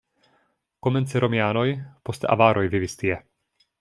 Komence romianoj, poste avaroj vivis tie.